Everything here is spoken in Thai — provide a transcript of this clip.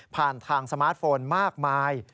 ผ่านทางสมาร์ทโฟนมากมาย